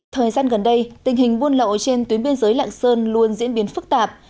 thời gian gần đây tình hình buôn lậu trên tuyến biên giới lạng sơn luôn diễn biến phức tạp